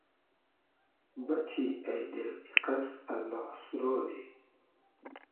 بئچی اݷ دیل ایقئس اللا سورۉ نی